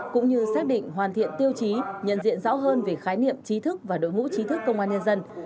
cũng như xác định hoàn thiện tiêu chí nhận diện rõ hơn về khái niệm trí thức và đội ngũ trí thức công an nhân dân